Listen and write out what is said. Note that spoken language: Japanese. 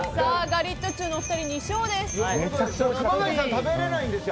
ガリットチュウのお二人２勝です。